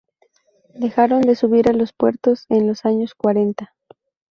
Dejaron de subir a los puertos en los años cuarenta.